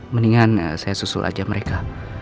mendingan saya susul aja mereka